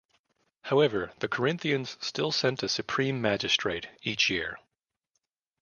However, the Corinthians still sent a supreme magistrate each year.